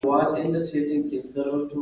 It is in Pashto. له نذیر لغاري سره یې داسې خبرې کولې.